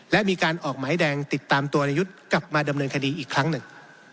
และมีการออกหมายแดงติดตามตัวในยุทธ์กลับมาดำเนินคดีอีกครั้งหนึ่ง